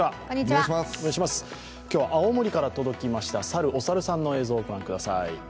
今日は青森から届きました猿、お猿さんの映像ご覧ください。